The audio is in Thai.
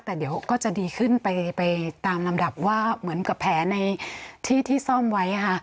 แต่เดี๋ยวก็จะดีขึ้นไปตามลำดับว่าเหมือนกับแผลในที่ที่ซ่อมไว้ค่ะ